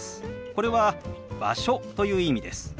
これは「場所」という意味です。